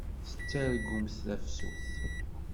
Tettargumt tafsut.